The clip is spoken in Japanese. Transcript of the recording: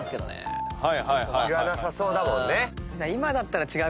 言わなさそうだもんね。